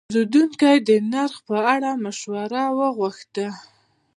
پیرودونکی د نرخ په اړه مشوره وغوښته.